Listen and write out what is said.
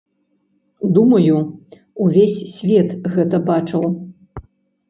Думаю, увесь свет гэта бачыў.